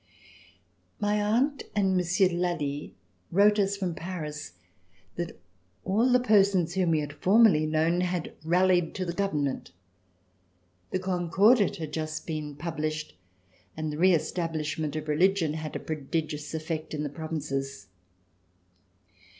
My aunt and Monsieur de Lally wrote us from Paris that all the persons whom we had formerly known had rallied to the government. The Concordat had just been published and the reestablishment of religion had a prodigious effect in the provinces.